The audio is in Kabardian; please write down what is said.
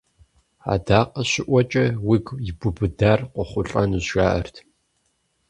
Адакъэ щыӀуэкӀэ уигу ибубыдар къохъулӀэнущ, жаӀэрт.